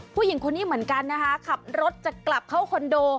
ผู้หญิงคนนี้เหมือนกันนะคะขับรถจะกลับเข้าคอนโด